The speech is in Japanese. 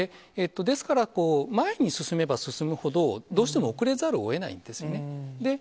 ですから、前に進めば進むほど、どうしても遅れざるをえないんですね。